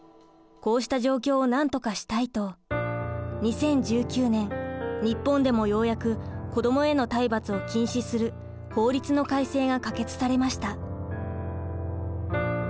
こうした状況をなんとかしたいと２０１９年日本でもようやく子どもへの体罰を禁止する法律の改正が可決されました。